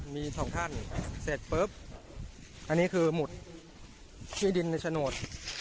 มีสองท่านเสร็จปุ๊บอันนี้คือหมุดที่ดินในโฉนด